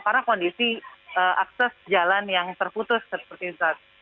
karena kondisi akses jalan yang terputus seperti saat